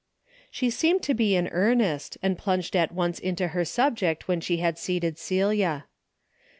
She seemed to be in earnest, and plunged at once into her subject when she had seated Celia.